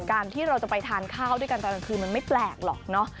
การที่เราจะไปทานข้าวด้วยกันตอนกลางคืนมันไม่แปลกหรอกเนอะ